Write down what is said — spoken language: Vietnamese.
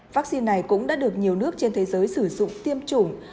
vaccine này cũng đã được nhiều nước trên thế giới sử dụng tiêm chủng